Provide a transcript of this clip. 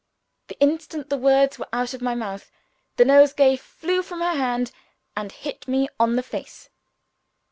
The instant the words were out of my mouth, the nosegay flew from her hand, and hit me on the face.